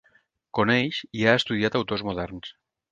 Coneix i ha estudiat autors moderns.